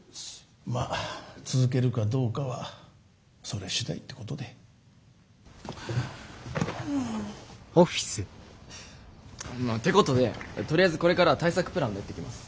まあ続けるかどうかはそれ次第ってことで。ってことでとりあえずこれから対策プランを練っていきます。